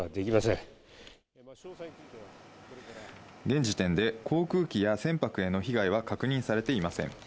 現時点で航空機や船舶への被害は確認されていません。